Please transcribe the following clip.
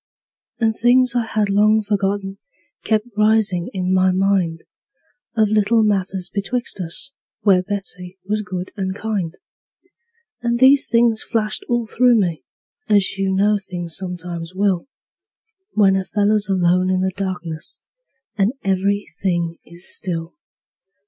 And things I had long forgotten kept risin' in my mind, Of little matters betwixt us, where Betsey was good and kind; And these things flashed all through me, as you know things sometimes will When a feller's alone in the darkness, and every thing is still.